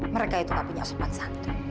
mereka itu gak punya sopan santun